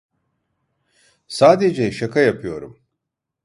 Sadece ?aka yap?yorum